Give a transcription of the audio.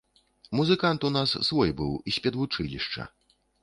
Музыкант у нас свой быў, з педвучылішча.